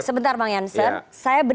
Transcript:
sebentar bang yansen